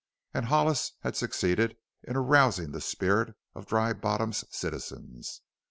And Hollis had succeeded in arousing the spirit of Dry Bottom's citizens.